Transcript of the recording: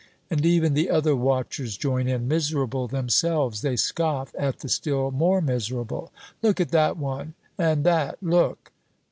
And even the other watchers join in. Miserable themselves, they scoff at the still more miserable. "Look at that one! And that, look!"